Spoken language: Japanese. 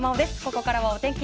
ここからはお天気